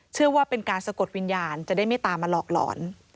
เชื่อว่าเป็นการสะกดวิญญาณจะได้ไม่ตามมาหลอกหลอน